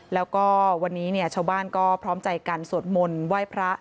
แล้วก็วันนี้ชาวบ้านก็พร้อมใจกันสวดมนต์ไหว้พระ